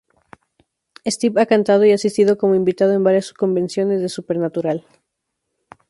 Steve ha cantado y asistido como invitado en varias convenciones de Supernatural.